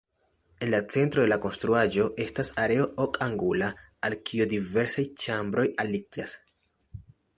En la centro de la konstruaĵo estas areo okangula, al kio diversaj ĉambroj aliĝas.